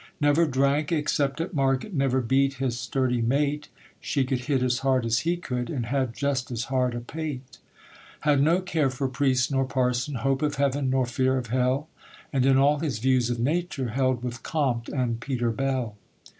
Never drank, except at market; Never beat his sturdy mate; She could hit as hard as he could, And had just as hard a pate. Had no care for priest nor parson, Hope of heaven nor fear of hell; And in all his views of nature Held with Comte and Peter Bell.